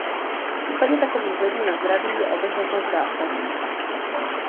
V případě takovýchto vlivů na zdraví je obezřetnost zásadní.